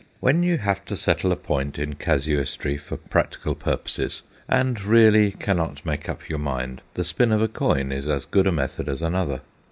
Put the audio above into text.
When you have to settle a point in casuistry for practical purposes, and really cannot make up your mind, the spin of a coin is as good a method as another.